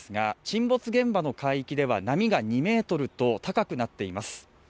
沈没現場の海域では波が２ｍと高くなっています